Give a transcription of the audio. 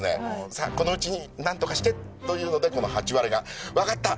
さあこのうちになんとかしてというのでハチワレが「わかったッッ！！